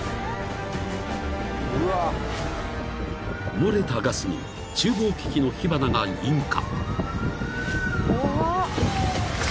［漏れたガスに厨房機器の火花が引火］